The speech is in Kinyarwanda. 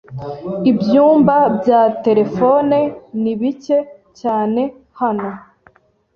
Ibyumba bya terefone ni bike cyane hano.